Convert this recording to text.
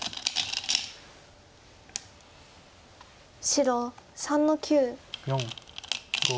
白３の九。